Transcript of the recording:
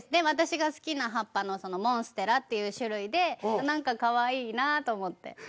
私が好きな葉っぱのモンステラっていう種類で何かかわいいなぁと思って。